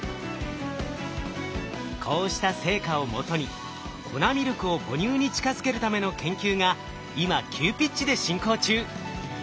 こうした成果をもとに粉ミルクを母乳に近づけるための研究が今急ピッチで進行中。